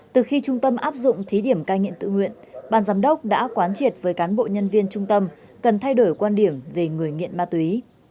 từ khi trung tâm áp dụng thí điểm cai nghiện tự nguyện ban giám đốc đã quán triệt với cán bộ nhân viên trung tâm cần thay đổi quan điểm về người nghiện ma túy